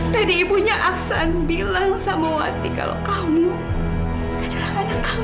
tadi ibunya aksan bilang sama wati kalau kamu adalah anakku